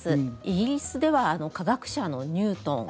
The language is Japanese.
イギリスでは科学者のニュートン。